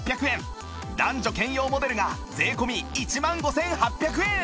男女兼用モデルが税込１万５８００円